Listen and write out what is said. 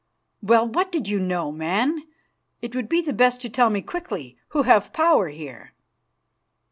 "Well, what did you know, man? It would be best to tell me quickly, who have power here."